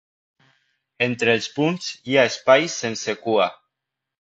Entre els punts, hi ha espais sense cua.